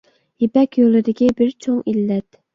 يىپەك يولىدىكى بىر چوڭ ئىللەت